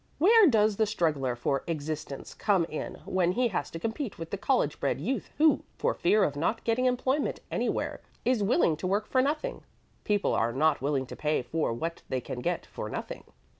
Where does the struggler for existence come in when he has to compete with the college bred youth who, for fear of not getting employment anywhere, is willing to work for nothing? People are not willing to pay for what they can get for nothing."